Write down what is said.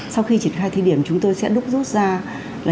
sau khi triển khai thí điểm chúng tôi sẽ đúc rút ra